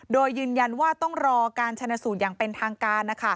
โดยยืนยันว่าต้องรอการชนะสูตรอย่างเป็นทางการ